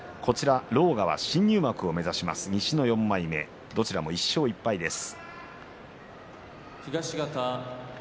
狼雅は新入幕を目指します西の４枚目、どちらも１勝１敗です。